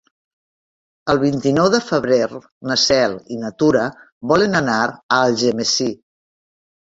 El vint-i-nou de febrer na Cel i na Tura volen anar a Algemesí.